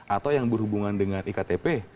atau yang berhubungan dengan iktp